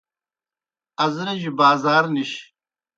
ازرِجیْ بازار نِش